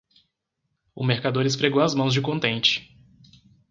O mercador esfregou as mãos de contente.